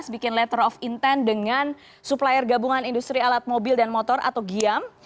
dua ribu sembilan belas bikin letter of intent dengan supplier gabungan industri alat mobil dan motor atau giam